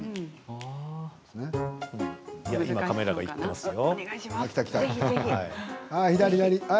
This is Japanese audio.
今カメラが行っていますよ。